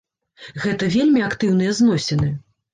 Гэта вельмі актыўныя зносіны.